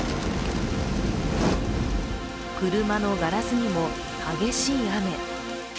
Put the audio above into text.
車のガラスにも激しい雨。